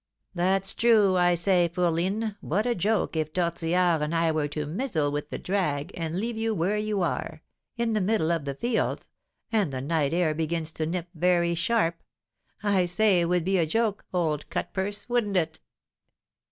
"That's true. I say, fourline, what a joke if Tortillard and I were to 'mizzle' with the 'drag,' and leave you where you are in the middle of the fields; and the night air begins to nip very sharp. I say, it would be a joke, old cutpurse, wouldn't it?"